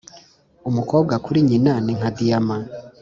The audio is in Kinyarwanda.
umukobwa kuri nyina ni nka diyama.